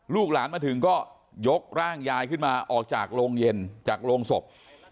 ลูกหลานมาถึงก็ยกร่างยายขึ้นมาออกจากโรงเย็นจากโรงศพ